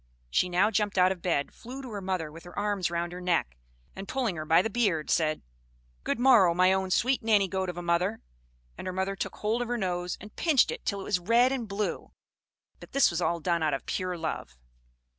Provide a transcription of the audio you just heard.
She now jumped out of bed, flew to her mother; with her arms round her neck, and pulling her by the beard, said, "Good morrow, my own sweet nanny goat of a mother." And her mother took hold of her nose, and pinched it till it was red and blue; but this was all done out of pure love.